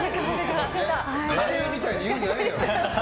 カレーみたいに言うんじゃないよ。